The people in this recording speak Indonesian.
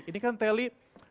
ini kan teli